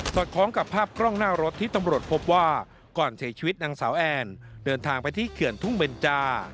อดคล้องกับภาพกล้องหน้ารถที่ตำรวจพบว่าก่อนเสียชีวิตนางสาวแอนเดินทางไปที่เขื่อนทุ่งเบนจา